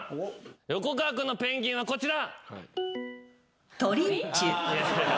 横川君の「ペンギン」はこちら！